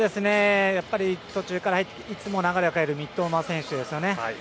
途中からいつも流れを変える三笘選手です。